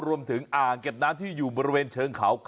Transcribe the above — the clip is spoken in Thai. อ่างเก็บน้ำที่อยู่บริเวณเชิงเขา